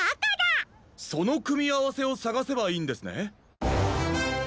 そのくみあわせをさがせばいいんですね。